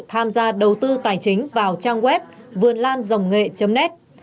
tham gia đầu tư tài chính vào trang web vườnlan ngh net